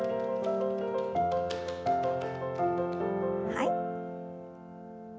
はい。